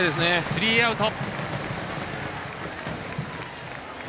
スリーアウト。